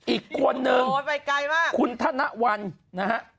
อีกคนนึงคุณธนวัลนะฮะ